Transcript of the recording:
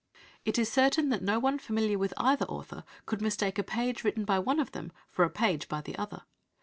It is certain that no one familiar with either author could mistake a page written by one of them for a page by the other.